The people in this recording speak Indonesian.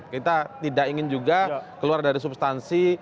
kita tidak ingin juga keluar dari substansi